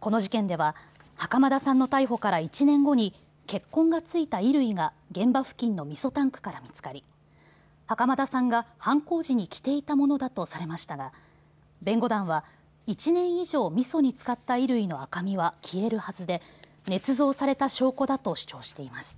この事件では袴田さんの逮捕から１年後に血痕が付いた衣類が現場付近のみそタンクから見つかり袴田さんが犯行時に着ていたものだとされましたが弁護団は１年以上、みそにつかった衣類の赤みは消えるはずでねつ造された証拠だと主張しています。